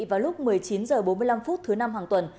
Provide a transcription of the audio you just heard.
vào lúc một mươi chín h bốn mươi năm thứ năm hàng tuần